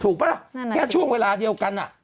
ปะล่ะแค่ช่วงเวลาเดียวกัน